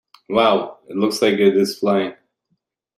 Wow! It looks like it is flying!